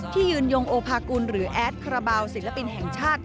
ที่ยืนยงโอภากุลหรือแอดคาราบาลศิลปินแห่งชาติ